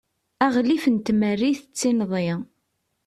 aɣlif n tmerrit d tinḍi